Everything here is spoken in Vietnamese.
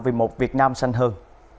vì một việt nam xanh hơn